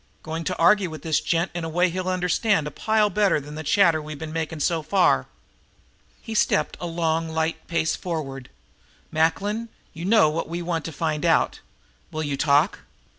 "Going to argue with this gent in a way he'll understand a pile better than the chatter we've been making so far." He stepped a long light pace forward. "Macklin, you know what we want to find out. Will you talk?"